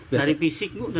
dari fisik buk